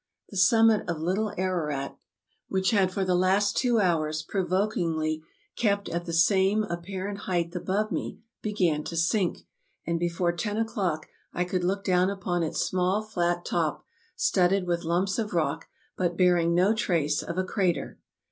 The summit of Little Ararat, which had for the last two hours provokingly kept at the same apparent height above me, began to sink, and before ten o'clock I could look down upon its small flat top, studded with lumps of rock, but bearing no trace of a crater.